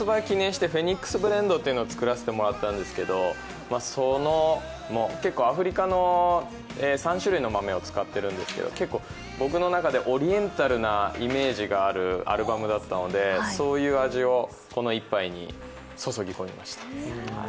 記念してＰＨＯＥＮＩＸＢＬＥＮＤというのを作らせてもらったんですけどアフリカの３種類の豆を使っているんですけれども結構、僕の中でオリエンタルなイメージがあるアルバムだったのでそういう味をこの１杯に注ぎ込みました。